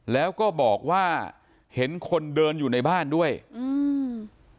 แล้วก็บอกว่าเห็นคนเดินอยู่ในบ้านด้วยอืม